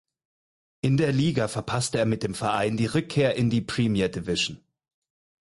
In der Liga verpasste er mit dem Verein die Rückkehr in die Premier Division.